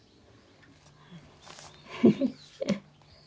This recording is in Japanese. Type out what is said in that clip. フフッフ。